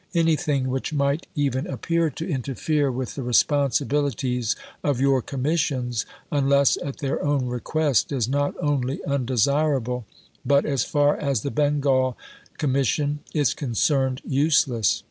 Anything which might even appear to interfere with the responsibilities of your Commissions, unless at their own request, is not only undesirable: but, as far as the Bengal Comm^n. is concerned, useless.